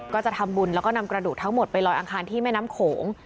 ก็จะทำบุญแล้วก็นำกระดูกทั้งหมดไปลอยอังคารที่แม่น้ำโขง